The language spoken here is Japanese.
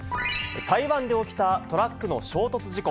台湾で起きたトラックの衝突事故。